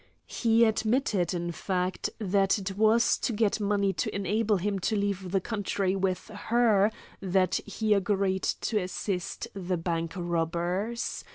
He admitted, in fact, that it was to get money to enable him to leave the country with her that he agreed to assist the bank robbers.